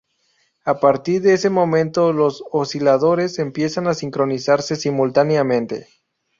A partir de ese momento los osciladores empiezan a sincronizarse simultáneamente.